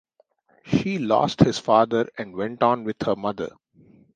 She lost his father and went on with her mother.